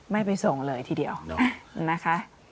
ไม่ไปส่งเลยทีเดียวนะคะ